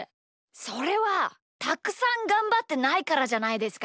それはたくさんがんばってないからじゃないですか？